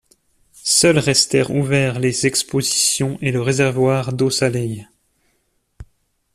Seuls restèrent ouverts les expositions et le réservoir d'eau salée.